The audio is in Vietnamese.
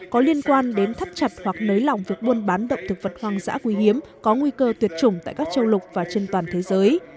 có liên quan đến thắt chặt hoặc nới lỏng việc buôn bán động thực vật hoang dã quý hiếm có nguy cơ tuyệt chủng tại các châu lục và trên toàn thế giới